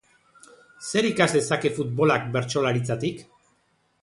Zer ikas dezake futbolak bertsolaritzatik?